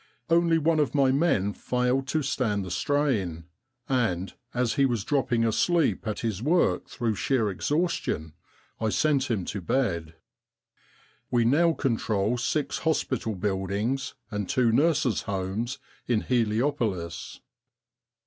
Only one of my men failed to stand the strain, and, as he was dropping asleep at his work through sheer exhaustion, I sent him to bed. 34 Egypt and the Great War " We now control six hospital buildings and two nurses' homes in Heliopolis."